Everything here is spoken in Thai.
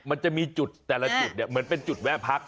มันจะมีจุดแต่ละจุดเนี่ยเหมือนเป็นจุดแวะพัก